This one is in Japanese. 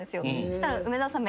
そしたら梅沢さん